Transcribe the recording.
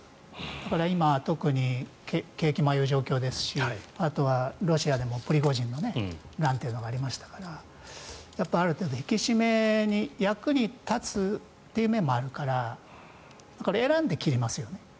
だから今、特に景気もああいう状況ですしあとはロシアでもプリゴジンの乱というのがありましたからある程度、引き締めに役に立つという面もあるから選んで切りますよね。